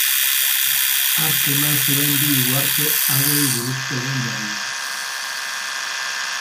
Hark eman zuen bi uharte hauei buruzko lehen berria.